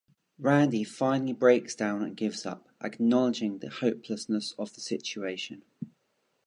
Randy finally breaks down and gives up, acknowledging the hopelessness of the situation.